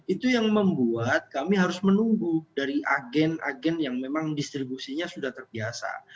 itu yang membuat kami harus menunggu dari agen agen yang memang distribusinya sudah terbiasa